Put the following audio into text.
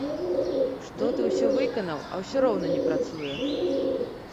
Што ты ўсё выканаў, а ўсё роўна не працуе!